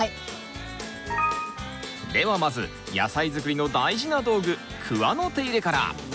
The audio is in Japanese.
ではまず野菜作りの大事な道具クワの手入れから！